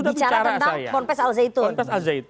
bicara tentang porn face al zaitun